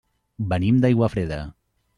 Venim d'Aiguafreda.